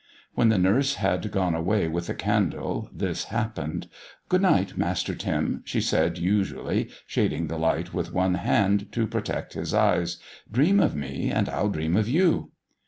When the nurse had gone away with the candle this happened: "Good night, Master Tim," she said usually, shading the light with one hand to protect his eyes; "dream of me and I'll dream of you."